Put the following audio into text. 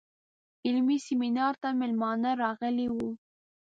علمي سیمینار ته میلمانه راغلي وو.